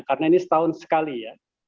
karena ini setahun sekali ya